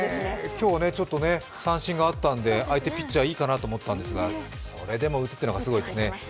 今日ちょっと三振があったんで相手ピッチャーいいかなと思ったんですがそれでも打つというのがすごいですね。